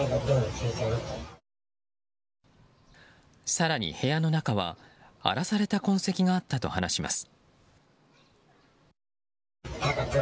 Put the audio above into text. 更に部屋の中は荒らされた痕跡があったと話します。